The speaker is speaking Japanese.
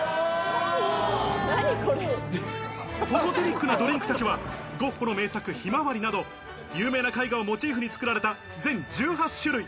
フォトジェニックなドリンクたちはゴッホの名作『ひまわり』など有名な絵画をモチーフに作られた全１８種類。